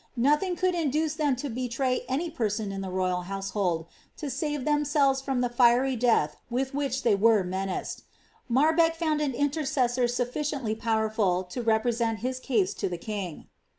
Nothing could induce them to betray any person in household, to save themselves from the fiery death with wl were menaced. Marbeck found an intercessor sufficiently po represent his case to the king.